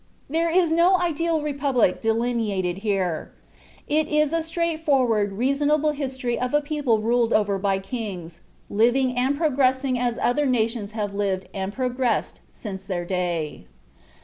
There is no ideal republic delineated here. It is a straightforward, reasonable history of a people ruled over by their kings, living and progressing as other nations have lived and progressed since their day.